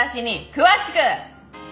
詳しく！